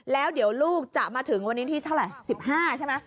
แล้วเดี๋ยวลูกจะมาถึงวันนี้ที่เท่าไหร่๑๕ใช่ไหม